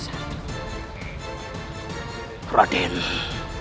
kebenakanku tercinta raden suriwisesa